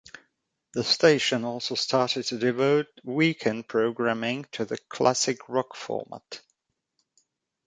The station also started to devote weekend programming to the classic rock format.